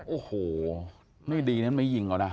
โอ้โฮไม่ดีนั้นไม่ยิงเขานะ